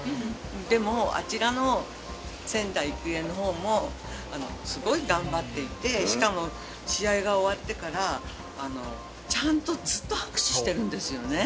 でも、あちらの仙台育英のほうも、すごい頑張っていて、しかも試合が終わってから、ちゃんと、ずっと拍手してるんですよね。